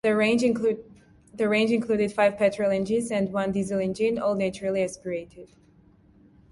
The range included five petrol engines and one diesel engine, all naturally aspirated.